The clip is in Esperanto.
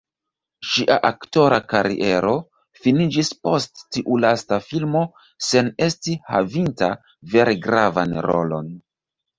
Ŝia aktora kariero finiĝis post tiu lasta filmo sen esti havinta vere gravan rolon.